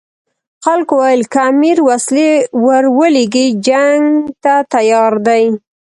خلکو ویل که امیر وسلې ورولېږي جنګ ته تیار دي.